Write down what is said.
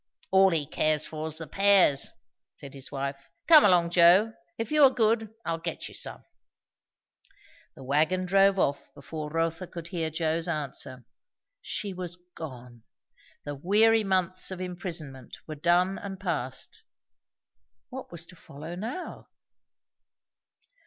"All he cares for 's the pears!" said his wife. "Come along, Joe; if you are good, I'll get you some." The wagon drove off before Rotha could hear Joe's answer. She was gone! The weary months of imprisonment were done and passed. What was to follow now?